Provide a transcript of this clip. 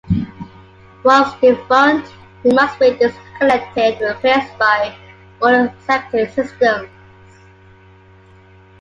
Once defunct, they must be disconnected and replaced by modern septic systems.